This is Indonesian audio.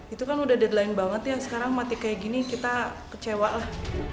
itu kan udah deadline banget ya sekarang mati kayak gini kita kecewa lah